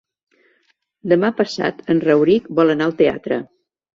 Demà passat en Rauric vol anar al teatre.